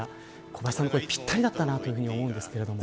小林さんの声、ぴったりだったなと思うんですけれども。